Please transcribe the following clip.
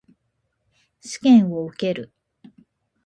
試験を受ける。